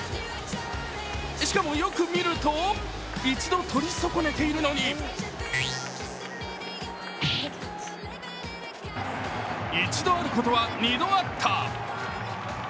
しかも、よく見ると、一度とり損ねているのに１度あることは２度あった。